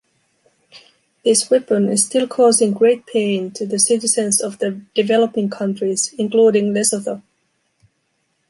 This weapon is still causing great pain to the citizens of the developing countries, including Lesotho.